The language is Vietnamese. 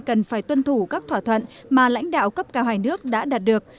cần phải tuân thủ các thỏa thuận mà lãnh đạo cấp cao hai nước đã đạt được